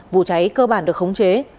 vụ cháy cơ bản được khống chế